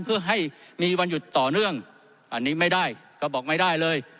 เพื่อให้มีวันหยุดต่อเนื่องอันนี้ไม่ได้ก็บอกไม่ได้เลย